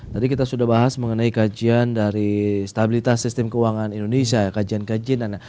tadi kita sudah bahas mengenai kajian dari stabilitas sistem keuangan indonesia kajian kajian